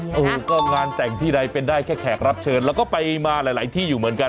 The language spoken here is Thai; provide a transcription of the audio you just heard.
โอ้โหก็งานแต่งที่ใดเป็นได้แค่แขกรับเชิญแล้วก็ไปมาหลายที่อยู่เหมือนกัน